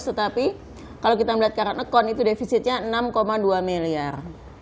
tetapi kalau kita melihat current account itu defisitnya enam dua miliar